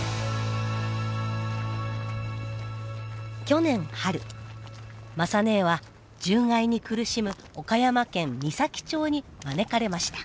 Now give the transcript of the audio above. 去年春雅ねえは獣害に苦しむ岡山県美咲町に招かれました。